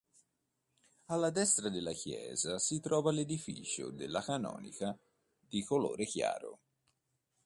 Alla destra della chiesa si trova l’edificio della canonica, di colore chiaro.